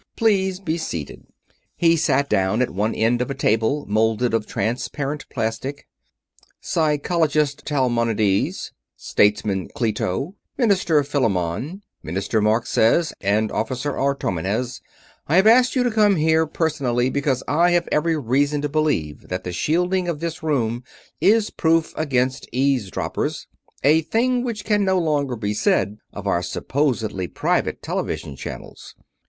Please be seated." He sat down at one end of a table molded of transparent plastic. "Psychologist Talmonides, Statesman Cleto, Minister Philamon, Minister Marxes and Officer Artomenes, I have asked you to come here personally because I have every reason to believe that the shielding of this room is proof against eavesdroppers; a thing which can no longer be said of our supposedly private television channels.